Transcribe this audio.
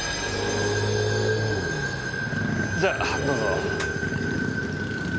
じゃどうぞ。